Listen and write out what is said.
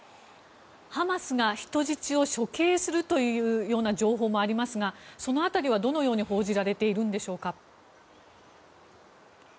ハマスが人質を処刑するというような情報もありますがその辺りはどのように報じられているんでしょうか？